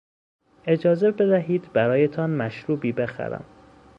اجازه بدهید برایتان مشروبی بخرم.